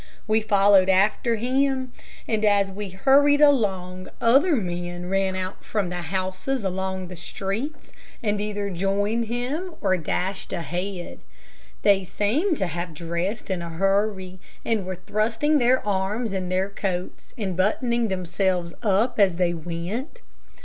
We followed after him, and as we hurried along other men ran out from the houses along the streets, and either joined him, or dashed ahead. They seemed to have dressed in a hurry, and were thrusting their arms in their coats, and buttoning themselves up as they went.